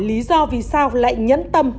lý do vì sao lại nhấn tâm